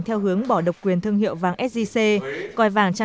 theo hướng bỏ độc quyền thương hiệu vàng sgc